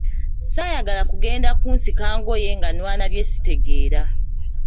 Saayagala kugenda kunsika ngoye nga nwana byesitegeera.